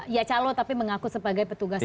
ya calon tapi mengaku sebagai petugas bpjs